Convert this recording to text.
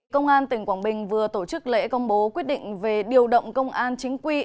công an tỉnh quảng bình vừa tổ chức lễ công bố quyết định về điều động công an chính quy